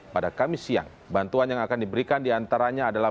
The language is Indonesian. pada kamis siang bantuan yang akan diberikan diantaranya adalah